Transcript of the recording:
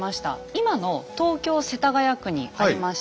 今の東京・世田谷区にありました